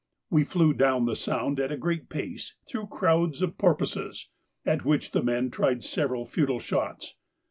We flew down the Sound at a great pace through crowds of porpoises, at which the men tried several futile shots.